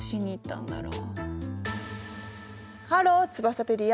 ハローツバサペディア。